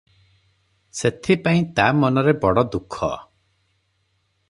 ସେଥିପାଇଁ ତା ମନରେ ବଡ଼ ଦୁଃଖ ।